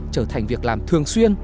trở thành việc làm thường xuyên